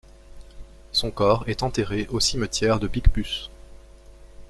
Son corps est enterré au cimetière de Picpus.